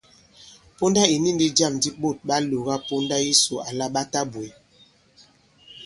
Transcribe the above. Ponda ì ni ndī jâm di ɓôt ɓa lòga ponda yisò àlà ɓa tabwě.